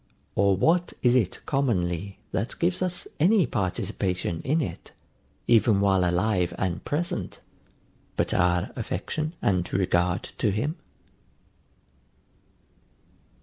Or what is it commonly, that gives us any participation in it, even while alive and present, but our affection and regard to him?